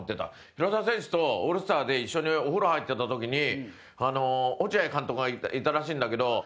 広澤選手と、オールスターで一緒にお風呂入ってた時に落合監督がいたらしいんだけど。